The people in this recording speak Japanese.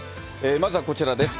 まずはこちらです。